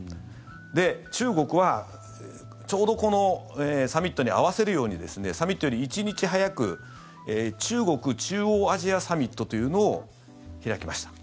中国は、ちょうどこのサミットに合わせるようにサミットより１日早く中国・中央アジアサミットというのを開きました。